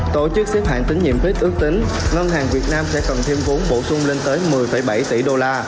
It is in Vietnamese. tổ chức xếp hạng tín nhiệm prix ước tính ngân hàng việt nam sẽ cần thêm vốn bổ sung lên tới một mươi bảy tỷ đô la